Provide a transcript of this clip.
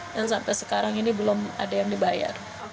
dan sampai sekarang ini belum ada yang dibayar